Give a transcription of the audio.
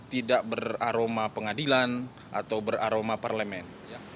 tidak beraroma pengadilan atau beraroma parlemen